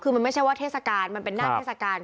คือมันไม่ใช่ว่าเทศกาลมันเป็นหน้าเทศกาล